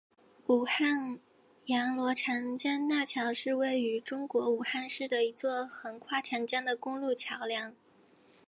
武汉阳逻长江大桥是位于中国武汉市的一座横跨长江的公路桥梁。